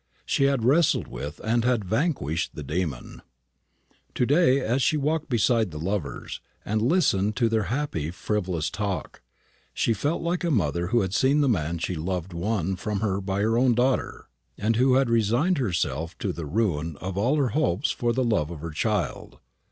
She had wrestled with, and had vanquished, the demon. To day, as she walked beside the lovers, and listened to their happy frivolous talk, she felt like a mother who had seen the man she loved won from her by her own daughter, and who had resigned herself to the ruin of all her hopes for love of her child.